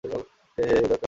হেই, hey, দরকার নেই।